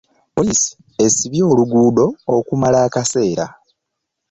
Poliisi esibye oluguudo okumala ekaseera.